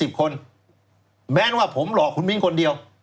ทุกคนแหมนะว่าผมหลอกคุณมิ้นคนเดียว